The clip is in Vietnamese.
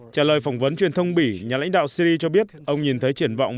trả lời phỏng vấn truyền thông bỉ nhà lãnh đạo syri cho biết ông nhìn thấy triển vọng